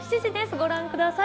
ご覧ください。